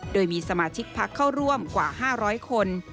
โดยมีสมาชิกพักเข้าร่วมกว่า๕๐๐คน